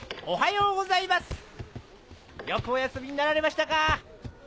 おはようございます！